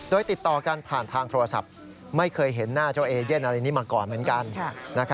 โดยติดต่อกันผ่านทางโทรศัพท์ไม่เคยเห็นหน้าเจ้าเอเย่นอะไรนี้มาก่อนเหมือนกัน